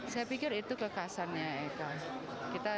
saya pikir itu kekasannya eka